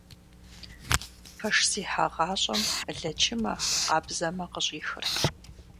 Пэш зехьагъащӏэм лэчымэ, къабзэмэ къыщӏихырт.